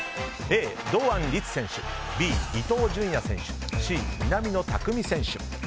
Ａ、堂安律選手Ｂ、伊東純也選手Ｃ、南野拓実選手。